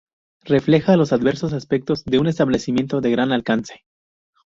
Refleja los diversos aspectos de un establecimiento de gran alcance.